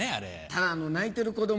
ただ泣いてる子供をね